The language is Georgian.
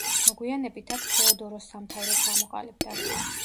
მოგვიანებით აქ თეოდოროს სამთავრო ჩამოყალიბდა.